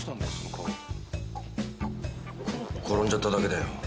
こっ転んじゃっただけだよ。